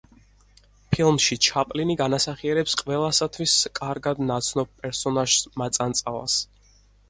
ფილმში ჩაპლინი განასახიერებს ყველასთვის კარგად ნაცნობ პერსონაჟს მაწანწალას.